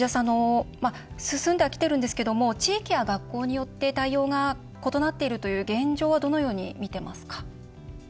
進んではきているんですが地域や学校によって対応が異なっているという現状はどのように見てますか？